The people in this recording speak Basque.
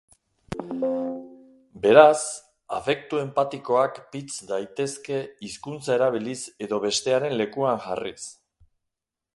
Beraz, afektu enpatikoak pitz daitezke hizkuntza erabiliz edo bestearen lekuan jarriz.